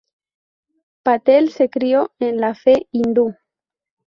Patel se crio en la fe hindú.